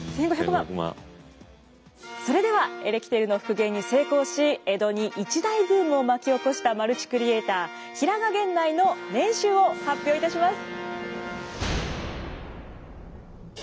それではエレキテルの復元に成功し江戸に一大ブームを巻き起こしたマルチクリエーター平賀源内の年収を発表いたします。